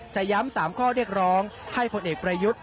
จะย้ำ๓ข้อเรียกร้องให้ผลเอกประยุทธ์